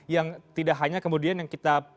yang tidak hanya kemudian yang kita